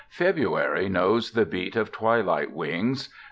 February knows the beat of twilight wings.